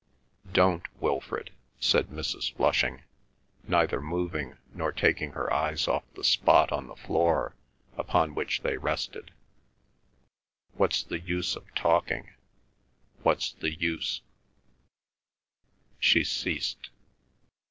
"Don't, Wilfrid," said Mrs. Flushing, neither moving nor taking her eyes off the spot on the floor upon which they rested. "What's the use of talking? What's the use—?" She ceased.